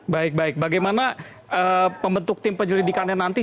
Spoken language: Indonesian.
baik baik bagaimana pembentuk tim penyelidikannya nanti